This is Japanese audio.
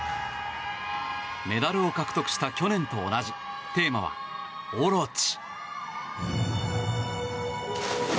メダルを獲得した昨年と同じテーマは、「大蛇オロチ」。